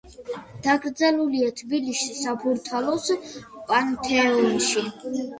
დაკრძალულია თბილისში, საბურთალოს პანთეონში.